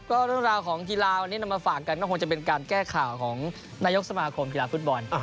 ก็เรื่องราวของกีฬาวันนี้นำมาฝากกันก็คงจะเป็นการแก้ข่าวของนายกสมาคมกีฬาฟุตบอล